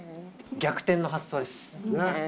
逆転の発想です。